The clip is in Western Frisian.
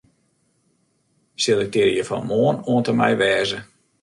Selektearje fan 'Moarn' oant en mei 'wêze'.